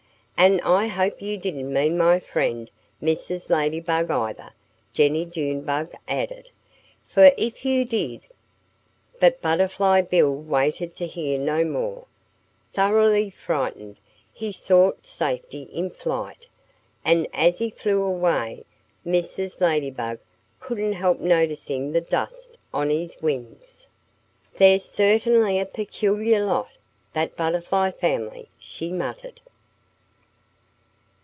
"And I hope you didn't mean my friend Mrs. Ladybug, either," Jennie Junebug added. "For if you did " But Butterfly Bill waited to hear no more. Thoroughly frightened, he sought safety in flight. And as he flew away Mrs. Ladybug couldn't help noticing the dust on his wings. "They're certainly a peculiar lot that Butterfly family!" she muttered.